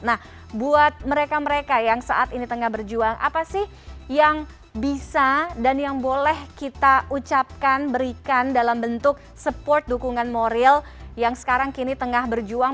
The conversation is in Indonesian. nah buat mereka mereka yang saat ini tengah berjuang apa sih yang bisa dan yang boleh kita ucapkan berikan dalam bentuk support dukungan moral yang sekarang kini tengah berjuang